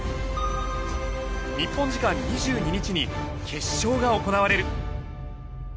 日本時間２２日に決勝が行われる。